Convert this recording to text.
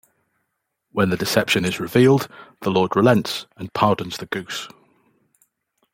When the deception is revealed, the lord relents and pardons the goose.